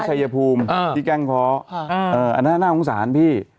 ชัยภูมิที่กางเค้าอ๋อนั่น่าโขงสารพี่